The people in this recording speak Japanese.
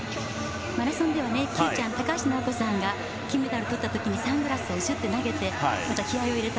マラソンでは高橋尚子さんが金メダルをとった時にサングラスを投げてまた気合を入れた。